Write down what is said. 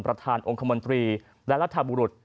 ประธานองค์คมนตรีและรัฐบุรุษ